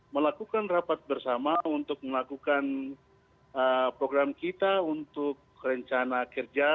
melakukan rapat bersama untuk melakukan program kita untuk rencana kerja